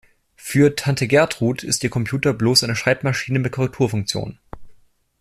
Für Tante Gertrud ist ihr Computer bloß eine Schreibmaschine mit Korrekturfunktion.